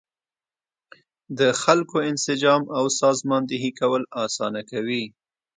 د خلکو انسجام او سازماندهي کول اسانه کوي.